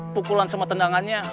pukulan sama tendangannya